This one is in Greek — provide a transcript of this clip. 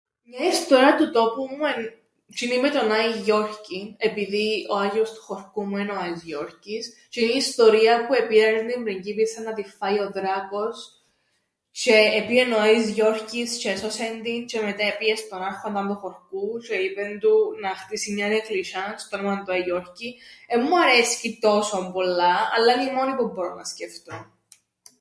Μια ιστορία του τόπου μου εν' τžείνη με τον Άην Γιώρκην, επειδή ο Άγιος του χωρκού μου εν' ο Άης Γιώρκης, τžείνη η ιστορία που επήραν την πριγκίπισσαν να την φάει ο δράκος τžαι επήεν ο Άης Γιώρκης τžαι έσωσεν την τžαι μετά επήεν στον άρχονταν του χωρκού τžαι είπεν του να χτίσει μιαν εκκλησ̆ιάν στ' όνομαν του Άη Γιώρκη. Εν μου αρέσκει τόσον πολλά, αλλά εν' η μόνη που μπορώ να σκεφτώ.